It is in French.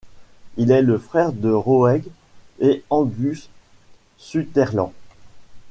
Il est le frère de Roeg et Angus Sutherland.